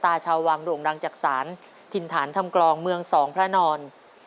ตุ๊กตาชาววังโด่งรังจักษานถิ่นฐานทำกรองเมืองสองพระนอน